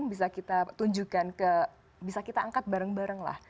bisa kita tunjukkan ke bisa kita angkat bareng bareng lah